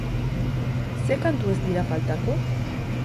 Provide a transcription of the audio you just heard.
Zer kantu ez dira faltako?